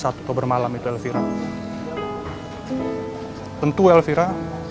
saat itu bermalam itu elvira tentu elvira